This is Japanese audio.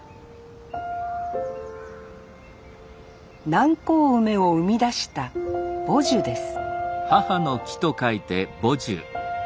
南高梅を生み出した母樹です